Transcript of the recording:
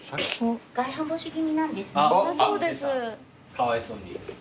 かわいそうに。